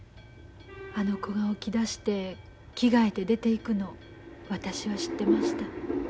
あの子が起き出して着替えて出ていくのを私は知ってました。